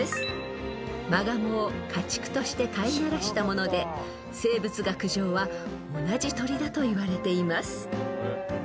［マガモを家畜として飼いならしたもので生物学上は同じ鳥だといわれています］